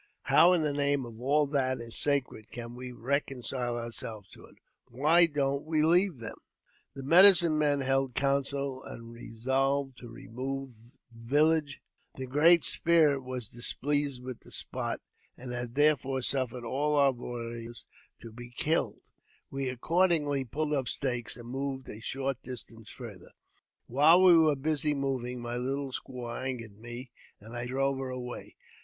How, in the name of all that is sacred, can we reconcile ourselves to it ? Why don't we leave them ?" 172 AUTOBIOGBAPHY OF id, I The medicine men held a council, and resolved to remove' village ; the Great Spirit was displeased with the spot, and had therefore suffered all our warriors to be killed. We acco: dingly pulled up stakes and moved a short distance farther. While we were busy moving, my little squaw angered mi and I drove her away.